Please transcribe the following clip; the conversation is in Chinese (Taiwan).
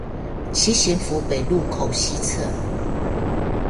七賢府北路口西側